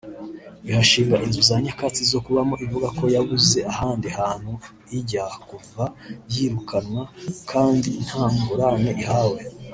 ihashinga inzu za nyakatsi zo kubamo ivuga ko yabuze ahandi hantu ijya kuva yirukanwa kandi nta ngurane ihawe